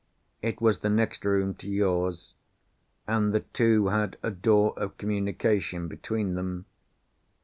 It was the next room to yours; and the two had a door of communication between them.